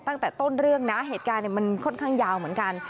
ตั้งแต่ต้นเรื่องนะเหตุการณ์มันค่อนข้างยาวเหมือนกัน